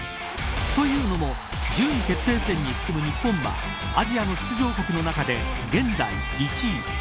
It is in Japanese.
というのも順位決定戦に進む日本はアジアの出場国の中で現在１位。